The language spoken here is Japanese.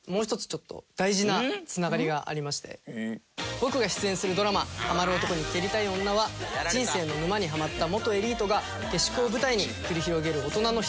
僕が出演するドラマ『ハマる男に蹴りたい女』は人生の沼にハマった元エリートが下宿を舞台に繰り広げるオトナの一つ屋根の下ラブです。